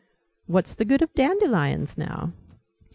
What's the good of dandelions, now?"